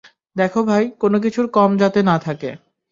দেখো ভাই, কোনো কিছুর কম যাতে না থাকে।